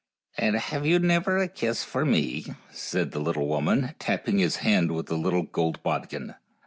" And have you never a kiss for me? " said the little woman, tapping his hand with the little gold bodkin.